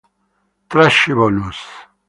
Tracce bonus